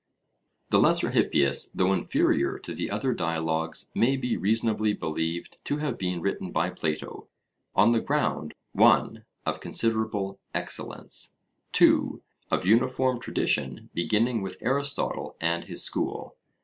The Lesser Hippias, though inferior to the other dialogues, may be reasonably believed to have been written by Plato, on the ground (1) of considerable excellence; (2) of uniform tradition beginning with Aristotle and his school.